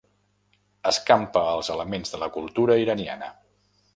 Escampa els elements de la cultura iraniana.